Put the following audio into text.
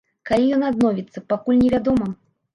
Калі ён адновіцца, пакуль невядома.